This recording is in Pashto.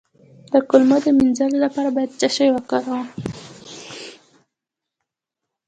د کولمو د مینځلو لپاره باید څه شی وکاروم؟